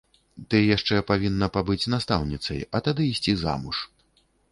Ты яшчэ павінна пабыць настаўніцай, а тады ісці замуж.